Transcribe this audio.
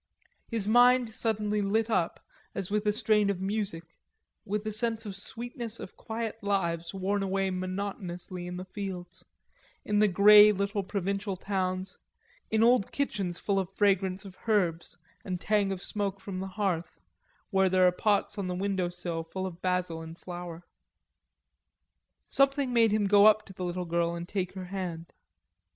His mind suddenly lit up, as with a strain of music, with a sense of the sweetness of quiet lives worn away monotonously in the fields, in the grey little provincial towns, in old kitchens full of fragrance of herbs and tang of smoke from the hearth, where there are pots on the window sill full of basil in flower. Something made him go up to the little girl and take her hand.